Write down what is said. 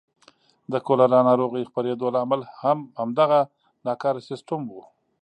د کولرا ناروغۍ خپرېدو لامل همدغه ناکاره سیستم و.